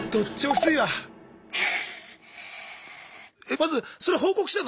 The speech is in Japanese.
まずそれ報告したの？